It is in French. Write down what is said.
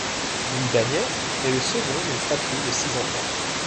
Louis Daniel est le second d'une fratrie de six enfants.